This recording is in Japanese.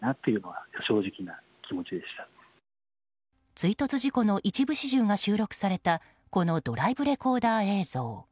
追突事故の一部始終が収録されたこのドライブレコーダー映像。